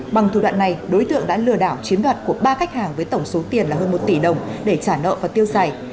bằng thủ đoạn này đối tượng đã lừa đảo chiếm đoạt của ba khách hàng với tổng số tiền là hơn một tỷ đồng để trả nợ và tiêu xài